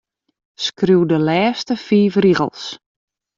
Skriuw de lêste fiif rigels.